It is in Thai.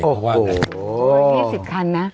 โอ้โห๒๐คันนะ